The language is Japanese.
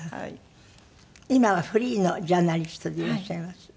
今はフリーのジャーナリストでいらっしゃいます。